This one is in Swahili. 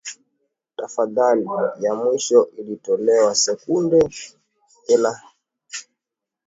taadhali ya mwisho ilitolewa sekunde thelasini na nne kabla ya meli kugonga barafu